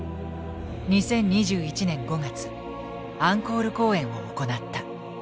２０２１年５月アンコール公演を行った。